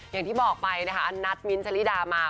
อย่างที่บอกไปนะคะนัดมิ้นทะลิดามา